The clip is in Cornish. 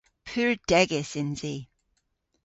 Pur degys yns i.